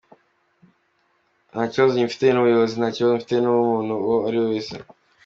Nta kibazo mfitanye n’ubuyobozi, nta kibazo mfitanye n’umuntu uwo ari we wese.